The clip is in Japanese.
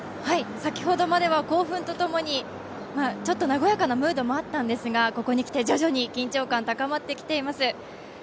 先ほどまでは興奮とともに和やかなムードもあったんですがここに来て、徐々に緊張感高まってきています。